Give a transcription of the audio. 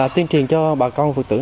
tiên truyền cho bà con vượt qua